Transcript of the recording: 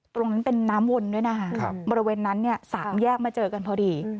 ตรงนั้นเป็นน้ำวนด้วยนะคะบริเวณนั้นเนี่ยสามแยกมาเจอกันพอดี